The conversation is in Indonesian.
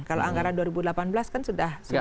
kalau anggaran dua ribu delapan belas kan sudah masuk di r